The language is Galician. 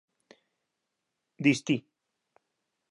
Dis ti?